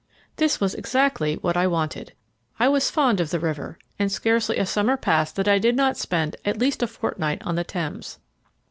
This was exactly what I wanted. I was fond of the river, and scarcely a summer passed that I did not spend at least a fortnight on the Thames.